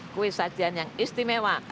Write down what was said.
kue sajian yang istimewa